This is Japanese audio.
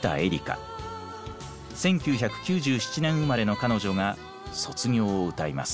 １９９７年生まれの彼女が「卒業」を歌います。